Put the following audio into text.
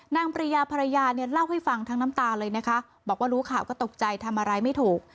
ภรรยาภรรยาเนี่ยเล่าให้ฟังทั้งน้ำตาเลยนะคะบอกว่ารู้ข่าวก็ตกใจทำอะไรไม่ถูก